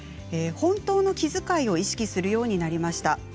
本当の気遣いを意識するようになりました。